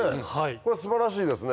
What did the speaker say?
これ素晴らしいですね